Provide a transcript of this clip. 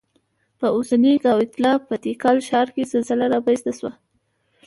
په اوسنۍ ګواتیلا په تیکال ښار کې سلسله رامنځته شوه.